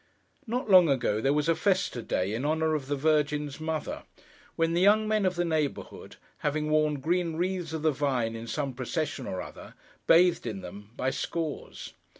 Not long ago, there was a festa day, in honour of the Virgin's mother, when the young men of the neighbourhood, having worn green wreaths of the vine in some procession or other, bathed in them, by scores.